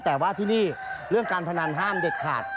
แต่ว่าที่นี่เรื่องการพนันห้ามเด็ดขาด